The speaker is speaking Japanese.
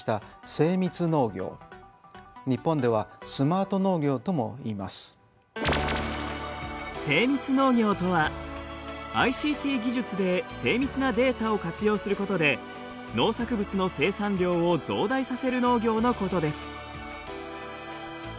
精密農業とはＩＣＴ技術で精密なデータを活用することで農作物の生産量を増大させる農業のことです。